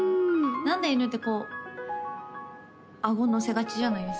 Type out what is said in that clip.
何で犬ってこうあご乗せがちじゃないです？